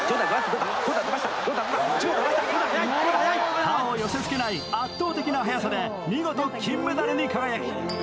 他を寄せつけない圧倒的な速さで見事金メダルに輝き